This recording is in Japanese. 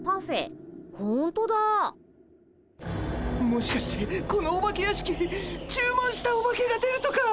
もしかしてこのお化け屋敷注文したオバケが出るとか？